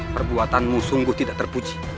perbuatanmu sungguh tidak terpuji